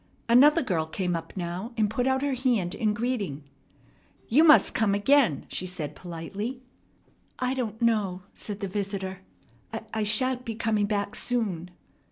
Another girl came up now, and put out her hand in greeting. "You must come again," she said politely. "I don't know," said the visitor. "I sha'n't be coming back soon."